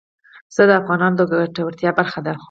پسه د افغانانو د ګټورتیا برخه ده.